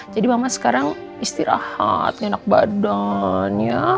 jadi mama sekarang istirahat enak badan ya